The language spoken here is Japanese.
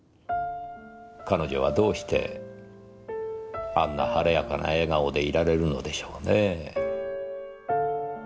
彼女はどうしてあんな晴れやかな笑顔でいられるのでしょうねぇ？